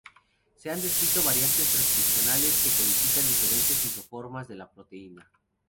Se han descrito variantes transcripcionales que codifican diferentes isoformas de la proteína.